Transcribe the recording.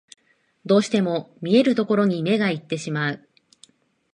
どうしても見えるところに目がいってしまう